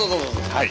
はい。